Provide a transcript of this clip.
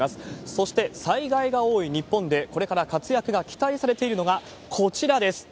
そして災害が多い日本でこれから活躍が期待されているのがこちらです。